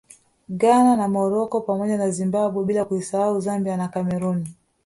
Ghana na Morocco pamoja na Zimbabwe bila kuisahau Zambia na Cameroon